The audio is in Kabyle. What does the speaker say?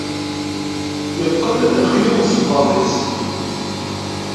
yeqqen lexyuḍ n sebbaḍ-is